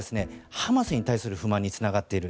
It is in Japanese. ハマスに対する不満に繋がっている。